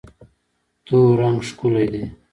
تور رنګ ښکلی دی.